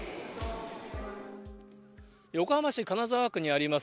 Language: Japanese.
横浜市金沢区にあります